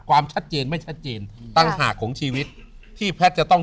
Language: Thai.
ความชัดเจนไม่ชัดเจนต่างหากของชีวิตที่แพทย์จะต้อง